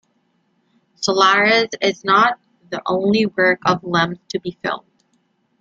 "Solaris" is not the only work of Lem's to be filmed.